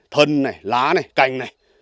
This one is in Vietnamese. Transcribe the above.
thân này lá này cành này